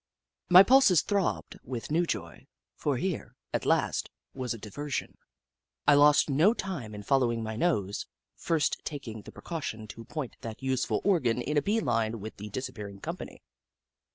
My pulses throbbed with new joy, for here, at last, was a diversion. I lost no time in fol lowing my nose, first taking the precaution to point that useful organ in a bee line with the disappearing company.